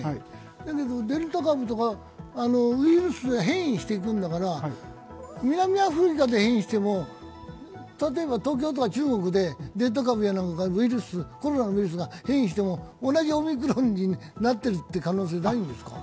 だけどデルタ株とか、ウイルスは変異していくんだから、南アフリカで変異しても、例えば東京とか中国でデルタ株やなんか、コロナウイルスが変異しても同じオミクロンになっている可能性はないんですか？